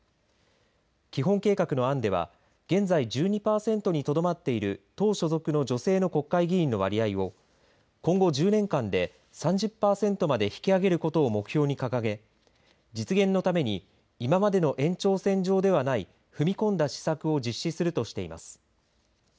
基本計画の案では現在１２パーセントにとどまっている党所属の女性の国会議員の割合を今後１０年間で３０パーセントまで引き上げることを目標に掲げ実現のために今までの延長線上ではない踏み込んだ施策を実施するとしています。